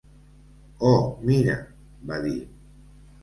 "Oh, mira," va dir.